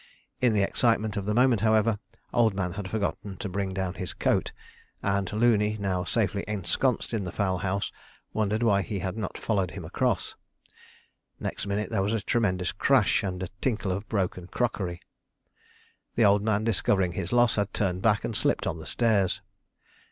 In the excitement of the moment, however, Old Man had forgotten to bring down his coat; and Looney, now safely ensconced in the fowl house, wondered why he had not followed him across. Next minute there was a tremendous crash and a tinkle of broken crockery. The Old Man, discovering his loss, had turned back and slipped on the stairs.